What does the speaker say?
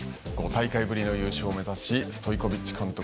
５大会ぶりの優勝を目指しストイコビッチ監督